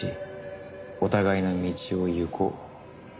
「お互いの道を行こう」